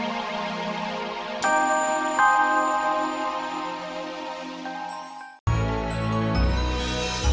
hidup ujang hidup ujang